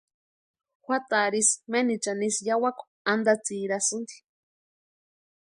Juatarhu ísï menichani ísï yawakwa antatsirasïnti.